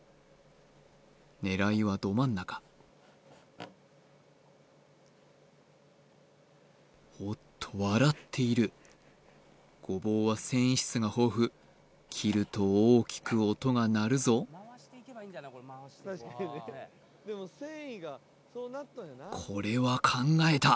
狙いはど真ん中おっと笑っているゴボウは繊維質が豊富切ると大きく音が鳴るぞこれは考えた！